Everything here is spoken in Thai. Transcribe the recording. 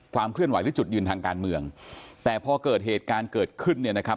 เคลื่อนไหวหรือจุดยืนทางการเมืองแต่พอเกิดเหตุการณ์เกิดขึ้นเนี่ยนะครับ